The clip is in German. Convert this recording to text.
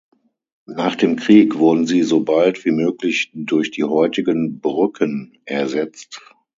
Nach dem Krieg wurden sie so bald wie möglich durch die heutigen Brücken ersetzt.